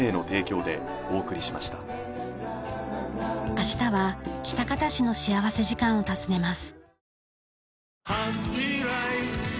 明日は喜多方市の幸福時間を訪ねます。